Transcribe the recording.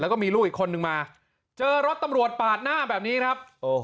แล้วก็มีลูกอีกคนนึงมาเจอรถตำรวจปาดหน้าแบบนี้ครับ